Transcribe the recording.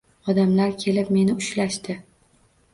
Odamlar kelib meni ushlashdi.